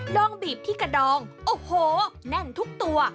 องบีบที่กระดองโอ้โหแน่นทุกตัว